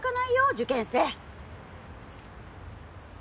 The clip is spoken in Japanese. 受験生！